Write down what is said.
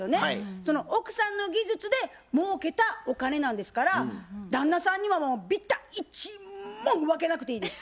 その奥さんの技術でもうけたお金なんですから旦那さんにはもうびた一文分けなくていいです。